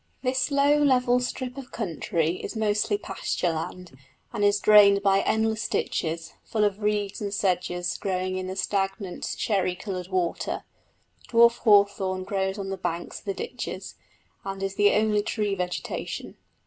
This low level strip of country is mostly pasture land, and is drained by endless ditches, full of reeds and sedges growing in the stagnant sherry coloured water; dwarf hawthorn grows on the banks of the ditches, and is the only tree vegetation.